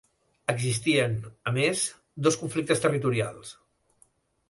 Existien, a més, dos conflictes territorials.